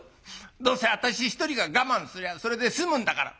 どうせ私一人が我慢すりゃそれで済むんだから。